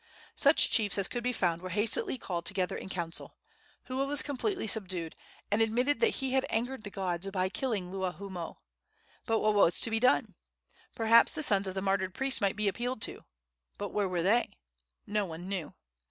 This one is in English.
Such chiefs as could be found were hastily called together in council. Hua was completely subdued, and admitted that he had angered the gods by killing Luahoomoe. But what was to be done? Perhaps the sons of the martyred priest might be appealed to. But where were they? No one knew.